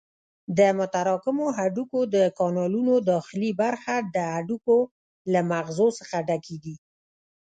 د متراکمو هډوکو د کانالونو داخلي برخه د هډوکو له مغزو څخه ډکې دي.